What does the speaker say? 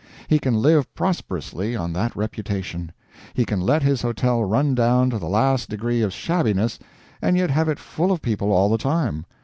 He can live prosperously on that reputation. He can let his hotel run down to the last degree of shabbiness and yet have it full of people all the time.